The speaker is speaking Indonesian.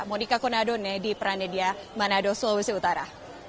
monika konadone di pranedia manado sulawesi utara